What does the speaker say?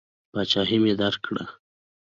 پاچهي مې درکړه.